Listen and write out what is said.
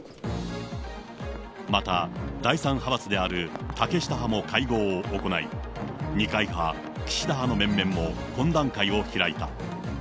また第３派閥である竹下派も会合を行い、二階派、岸田派の面々も懇談会を開いた。